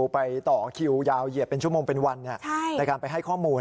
ไปต่อคิวยาวเหยียดเป็นชั่วโมงเป็นวันในการไปให้ข้อมูล